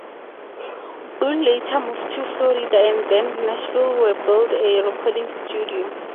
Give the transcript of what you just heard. Bull later moved to Florida and then Nashville, where he built a recording studio.